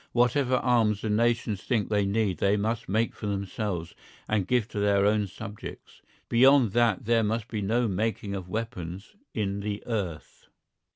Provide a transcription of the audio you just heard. Whatever arms the nations think they need they must make for themselves and give to their own subjects. Beyond that there must be no making of weapons in the earth.